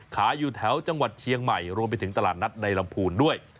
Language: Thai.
อยู่แถวจังหวัดเชียงใหม่รวมไปถึงตลาดนัดในลำพูนด้วย